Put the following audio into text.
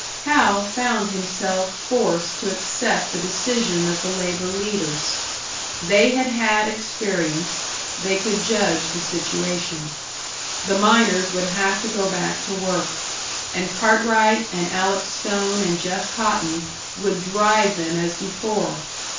Hal found himself forced to accept the decision of the labour leaders. They had had experience, they could judge the situation. The miners would have to go back to work, and Cartwright and Alec Stone and Jeff Cotton would drive them as before!